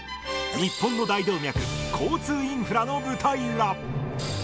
日本の大動脈、交通インフラの舞台裏。